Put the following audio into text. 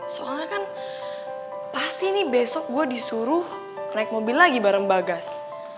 soalnya kan pasti nih besok gue disuruh naik mobil lagi bareng bagas